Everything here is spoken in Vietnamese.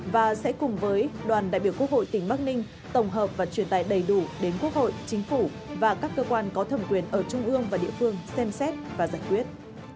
và sẽ cùng với đoàn đại biểu quốc hội tỉnh bắc ninh tổng hợp và truyền tài đầy đủ đến quốc hội chính phủ và các cơ quan có thẩm quyền ở trung ương và địa phương xem xét và giải quyết